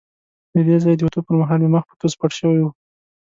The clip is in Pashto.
له دې ځایه د وتو پر مهال مې مخ په توس پټ شوی وو.